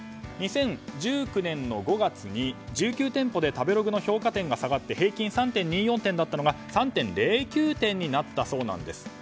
２０１９年の５月に１９店舗で食べログの評価点が下がって平均３．２４点だったのが３．０９点になったそうなんです。